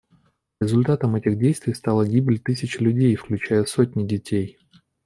Результатом этих действий стала гибель тысяч людей, включая сотни детей.